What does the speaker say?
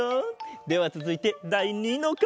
ではつづいてだい２のかげだ。